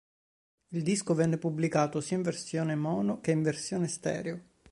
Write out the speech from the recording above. Il disco venne pubblicato sia in versione mono che in versione stereo.